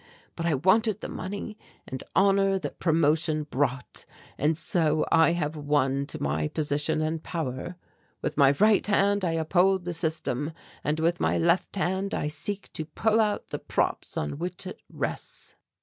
But I wanted the money and honour that promotion brought and so I have won to my position and power; with my right hand I uphold the system and with my left hand I seek to pull out the props on which it rests.